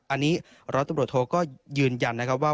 อันนี้ร้อยตำรวจโทก็ยืนยันนะครับว่า